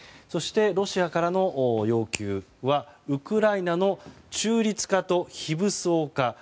そして、ロシアからの要求はウクライナの中立化と非武装化。